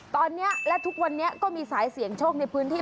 ตอนนี้และทุกวันนี้ก็มีสายเสี่ยงโชคในพื้นที่